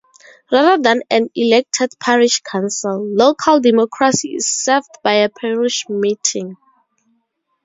Rather than an elected parish council, local democracy is served by a Parish meeting.